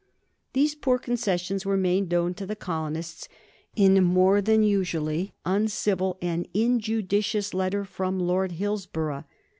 These poor concessions were made known to the colonists in a more than usually uncivil and injudicious letter from Lord Hillsborough.